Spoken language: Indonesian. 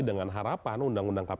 dengan harapan undang undang kpk